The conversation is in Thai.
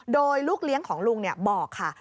โดยลูกเลี้ยงของลูกเนี่ยบอกค่ะ